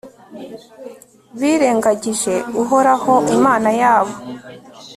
birengagije uhoraho, imana yabo